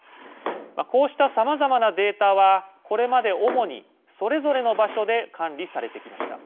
こうした、さまざまなデータはこれまで主に、それぞれの場所で管理されてきました。